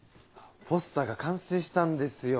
ポスターが完成したんですよ。